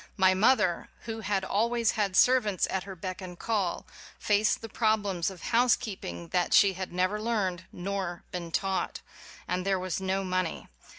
My mother, who had al ways had servants at her beck and call, faced the problems of housekeeping that she had never learned nor been taught. And there was no money.